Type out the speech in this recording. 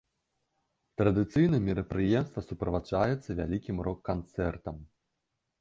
Традыцыйна мерапрыемства суправаджаецца вялікім рок-канцэртам.